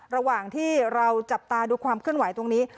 ระหว่างที่เราจับตาดูความเคลื่อนไหวตรงนี้